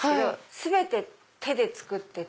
全て手で作ってて。